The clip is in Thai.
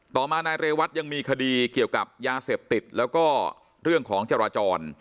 ต่อมานายเรวัตยังมีคดีเกี่ยวกับยาเสพติดแล้วก็เรื่องของจราจร